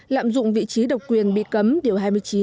lạm dụng vị trí độc quyền bị cấm điều hai mươi chín